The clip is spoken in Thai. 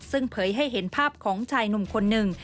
ซึ่งเผยให้เห็นภาพของชายหนุ่มคนหนึ่ง